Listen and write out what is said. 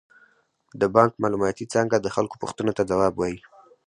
د بانک معلوماتي څانګه د خلکو پوښتنو ته ځواب وايي.